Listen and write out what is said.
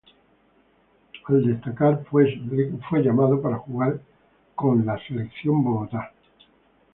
Al destacar, fue llamado para jugar con la Selección Bogotá.